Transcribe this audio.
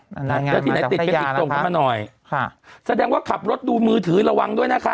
นางงานมาจากพัทยานะคะค่ะแสดงว่าขับรถดูมือถือระวังด้วยนะคะ